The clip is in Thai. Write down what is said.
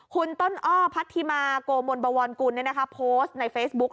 คุณต้นอ้อพัทธิมาโกมลบวรกุลโพสต์ในเฟซบุ๊ก